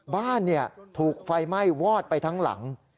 บ้านถูกไฟไหม้วอดไปทั้งหลัง